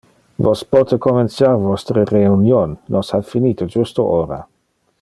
Vos pote comenciar vostre reunion, nos ha finite justo ora.